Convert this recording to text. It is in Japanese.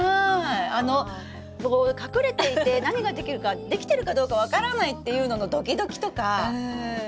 あのこう隠れていて何ができるかできてるかどうか分からないっていうののドキドキとかもありましたね。